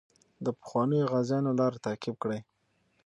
د پخوانیو غازیانو لار تعقیب کړئ.